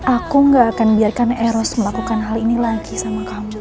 aku gak akan biarkan eros melakukan hal ini lagi sama kamu